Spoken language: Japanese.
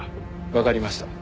わかりました。